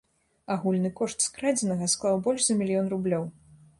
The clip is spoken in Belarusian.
Агульны кошт скрадзенага склаў больш за мільён рублёў.